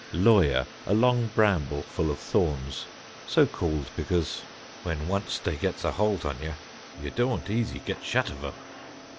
(Lawyer: A long bramble full of thorns, so called because, "When once they gets a holt on ye, ye dȯȧnt easy get shut of 'em.")